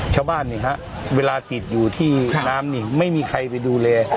ชาวบ้านนี่ฮะเวลาติดอยู่ที่น้ำนี่ไม่มีใครไปดูแล